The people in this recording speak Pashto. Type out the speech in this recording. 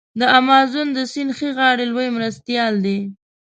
د امازون د سیند ښي غاړی لوی مرستیال دی.